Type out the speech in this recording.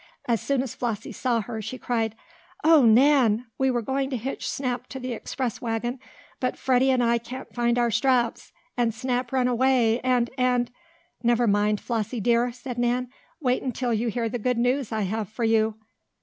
As soon as Flossie saw her, she cried: "Oh, Nan! We were going to hitch Snap to the express wagon, but Freddie and I can't find our straps, and Snap ran away, and and " "Never mind, Flossie dear," said Nan. "Wait until you hear the good news I have for you!"